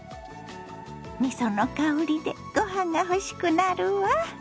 みその香りでご飯が欲しくなるわ。